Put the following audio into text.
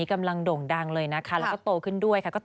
เหมือนเราโตขึ้นด้วยเราก็